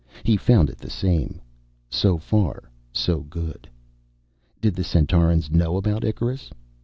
He found it the same. So far so good. Did the Centaurans know about Icarus?